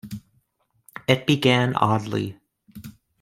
It began oddly.